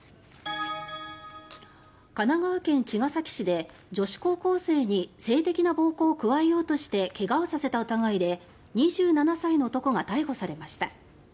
神奈川県茅ヶ崎市で女子高校生に性的な暴行を加えようとして怪我をさせた疑いで２７歳の男が逮捕されました。